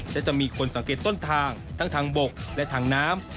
และจะมีคนสังเกตต้นทางทั้งทางบกและทางน้ำ